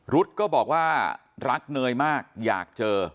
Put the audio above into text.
รุ๊ดก็บอกว่ารักเนยมากอยากเจอ